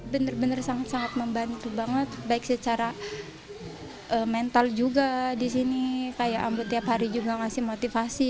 benar benar sangat sangat membantu banget baik secara mental juga di sini kayak ambut tiap hari juga ngasih motivasi